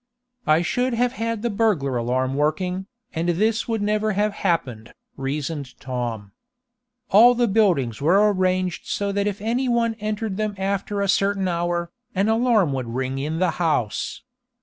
"I should have had the burglar alarm working, and this would never have happened," reasoned Tom. All the buildings were arranged so that if any one entered them after a certain hour, an alarm would ring in the house.